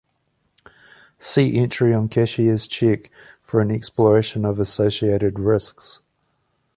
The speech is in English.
See entry on cashier's check for an exploration of associated risks.